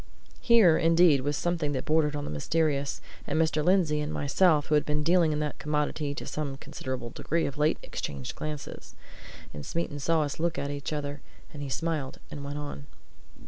Here, indeed, was something that bordered on the mysterious; and Mr. Lindsey and myself, who had been dealing in that commodity to some considerable degree of late, exchanged glances. And Smeaton saw us look at each other, and he smiled and went on.